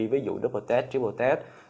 ví dụ như double test triple test